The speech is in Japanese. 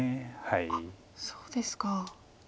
あっそうですか。